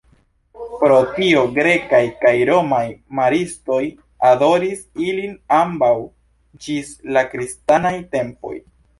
Pro tio grekaj kaj romaj maristoj adoris ilin ambaŭ ĝis la kristanaj tempoj.